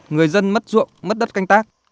người dân mất ruộng mất đất canh tác